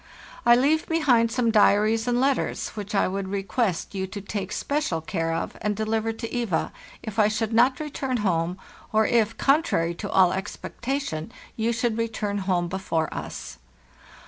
I leave behind some diaries and letters, which I would request you to take special care of and deliver to Eva if I should not return home, or if, contrary to all expectation, you should return home be fore us.